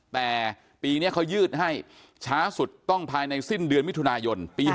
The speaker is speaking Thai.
แต่ปีนี้เขายืดให้ช้าสุดต้องภายในสิ้นเดือนมิถุนายนปี๒๕